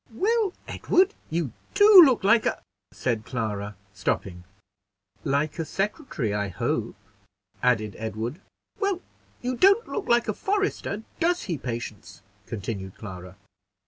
"Well, Edward, you do look like a " said Clara, stopping. "Like a secretary, I hope," added Edward. "Well, you don't look like a forester; does he, Patience?" continued Clara.